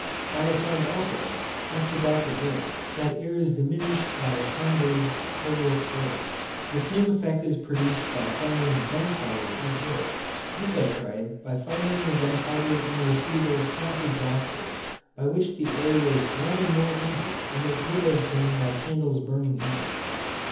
I found also, after Dr. Hales, that air is diminished by Homberg's pyrophorus. The same effect is produced by firing gunpowder in air. This I tried by firing the gunpowder in a receiver half exhausted, by which the air was rather more injured than it would have been by candles burning in it.